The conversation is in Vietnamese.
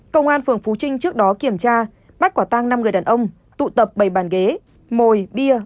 công an phường phú trinh trước đó kiểm tra bắt quả tăng năm người đàn ông tụ tập bảy bàn ghế mồi bia